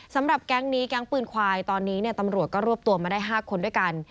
แก๊งนี้แก๊งปืนควายตอนนี้ตำรวจก็รวบตัวมาได้๕คนด้วยกัน